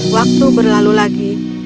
waktu berlalu lagi